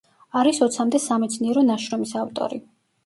არის ოცამდე სამეცნიერო ნაშრომის ავტორი.